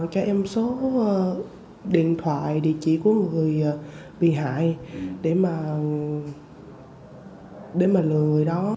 cho em số điện thoại địa chỉ của người bị hại để mà lừa người đó